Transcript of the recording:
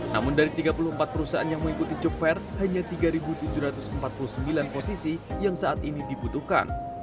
namun dari tiga puluh empat perusahaan yang mengikuti job fair hanya tiga tujuh ratus empat puluh sembilan posisi yang saat ini dibutuhkan